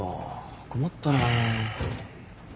困ったな。